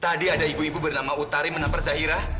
tadi ada ibu ibu bernama utari menaper zahira